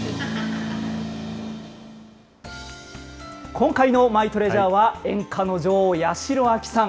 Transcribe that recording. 今回のマイトレジャーは、演歌の女王、八代亜紀さん。